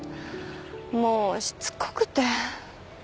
もうしつこくて。